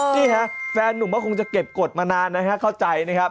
นี่ฮะแฟนหนุ่มก็คงจะเก็บกฎมานานนะฮะเข้าใจนะครับ